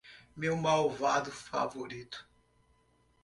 Meu malvado favorito